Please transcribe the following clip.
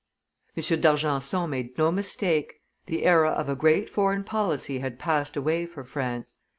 M. d'Argenson made no mistake; the era of a great foreign policy had passed away for France.